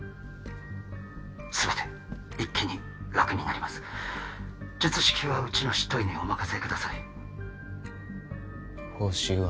全て一気に楽になります術式はうちの執刀医にお任せください報酬は？